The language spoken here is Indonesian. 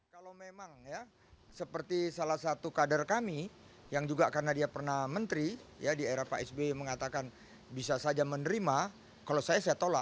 kalau memang ya seperti salah satu kader kami yang juga karena dia pernah menteri ya di era pak sby mengatakan bisa saja menerima kalau saya saya tolak